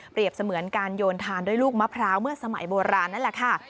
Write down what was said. เสมือนการโยนทานด้วยลูกมะพร้าวเมื่อสมัยโบราณนั่นแหละค่ะ